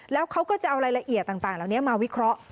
แล้วเขาก็จะเอารายละเอียดต่างเหล่านี้มาวิเคราะห์